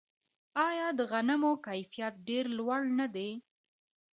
آیا د غنمو کیفیت ډیر لوړ نه دی؟